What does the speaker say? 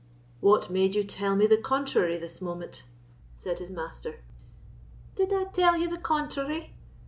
"What made you tell me the contrary this moment?" said his master. "Did I tell you the contrary?"